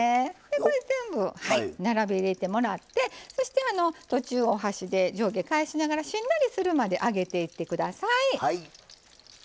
全部並べ入れてもらって途中、お箸で上下を返しながらしんなりするまで揚げていってください。